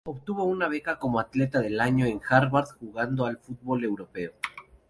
Obtuvo una beca como atleta del año en Harvard jugando al fútbol europeo.